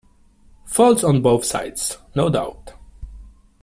Faults on both sides, no doubt.